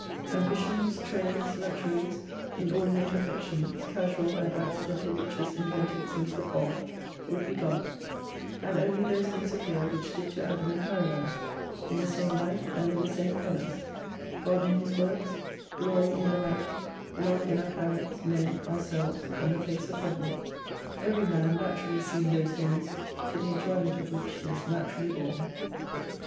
Ambitions, trades, luxuries, inordinate affections, casual and accidental riches invented since the fall, would be gone, and only those things appear, which did to Adam in Paradise, in the same Ught and in the same colours : God in His works, Glory in the light, Love in our parents, men, ourselves, and the face of Heaven : Every man naturally seeing those things, to the enjoyment of which he is naturally born.